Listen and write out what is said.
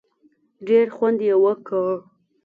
ډېر خوند یې وکړ.